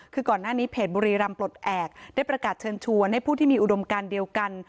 คือก่อนหน้านี้เพจบุรีรำปลดแอบได้ประกาศเชิญชวนให้ผู้ที่มีอุดมการเดียวกัน